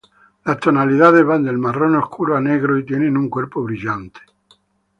Las tonalidades van del marrón oscuro a negro y tiene un cuerpo brillante.